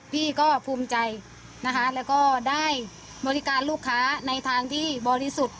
พี่ก็ภูมิใจนะคะแล้วก็ได้บริการลูกค้าในทางที่บริสุทธิ์